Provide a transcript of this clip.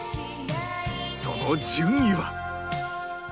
その順位は？